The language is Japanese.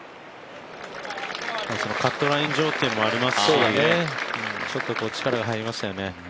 カットライン条件もありますし、ちょっと力が入りますよね。